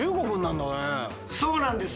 そうなんです。